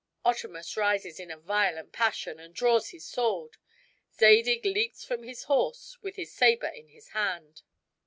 Otamus rises in a violent passion, and draws his sword; Zadig leaps from his horse with his saber in his hand.